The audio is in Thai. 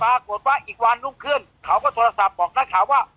ปรากฏว่าอีกวันรุ่งขึ้นเขาก็โทรศัพท์บอกนักข่าวว่า